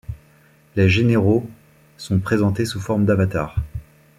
Les généraux sont présentés sous forme d'avatars.